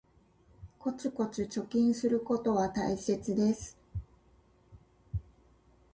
コツコツ貯金することは大切です